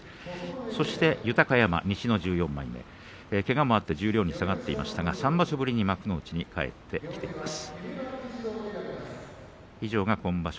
そして豊山は西の１４枚目けがもあって十両に下がっていましたが３場所ぶりに幕内に戻ってきました。